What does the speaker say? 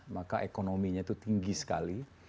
maka ekonominya itu tinggi sekali